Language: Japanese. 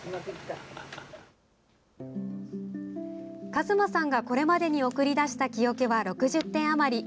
かずまさんがこれまでに送り出した木おけは６０点あまり。